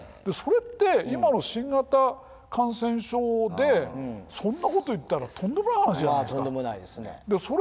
それって今の新型感染症でそんなこと言ったらとんでもない話じゃないですか。